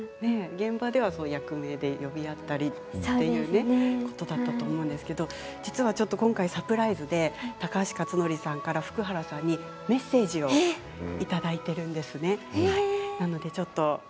現場では役名で呼び合ったりということだったと思うんですけど実は今回サプライズで高橋克典さんから福原さんにメッセージをいただいているんです。